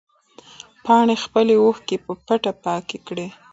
پاڼې خپلې اوښکې په پټه پاکې کړې.